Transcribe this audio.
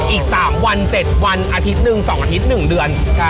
อีกสามวันเจ็ดวันอาทิตย์หนึ่งสองอาทิตย์หนึ่งเดือนใช่